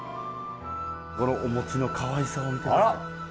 このお餅のかわいさを見てください。